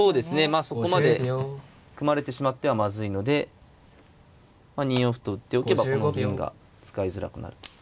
まあそこまで組まれてしまってはまずいので２四歩と打っておけばこの銀が使いづらくなる。